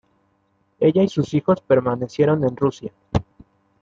Ella y sus hijos permanecieron en Rusia.